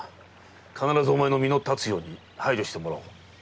必ずお前の身の立つように配慮してもらう。